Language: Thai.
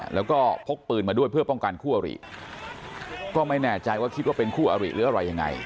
แล้วก็พกปืนมาด้วยเพื่อป้องกันคู่อริก็ไม่แน่ใจว่าคิดว่าเป็นคู่อริหรืออะไรยังไง